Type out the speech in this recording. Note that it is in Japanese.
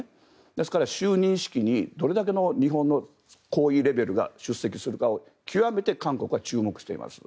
ですから就任式にどれだけの日本の高位レベルが出席するかを極めて韓国は注目しています。